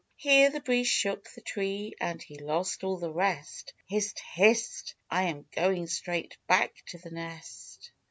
Here the breeze shook the tree, and he lost all the rest. "Hist! hist! I am going straight back to the nest.